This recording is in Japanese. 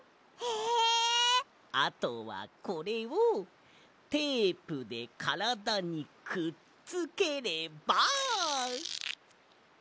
あとはこれをテープでからだにくっつければ。